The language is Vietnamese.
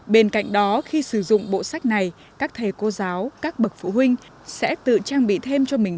bên cạnh đó khi sử dụng bộ sách này các thầy cô giáo các bậc phụ huynh sẽ tự trang bị thêm cho mình